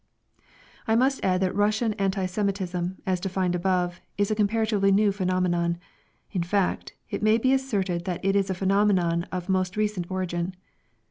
I must add that Russian anti Semitism, as defined above, is a comparatively new phenomenon, in fact, it may be asserted that it is a phenomenon of most recent origin.